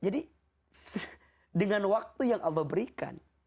jadi dengan waktu yang allah berikan